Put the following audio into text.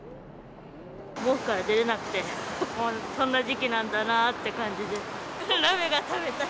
毛布から出れなくて、もうそんな時期なんだなぁって感じです。